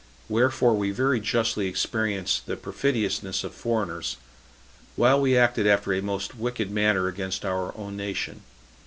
Wherefore we very justly experience the perfidiousness of foreigners, while we acted after a most wicked manner against our own nation.